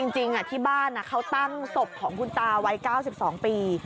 จริงที่บ้านเขาตั้งศพของคุณตาวัย๙๒ปี